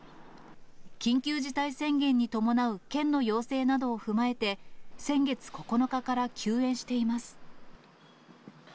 緊急事態宣言に伴う県の要請などを踏まえて、先月９日から休園しています。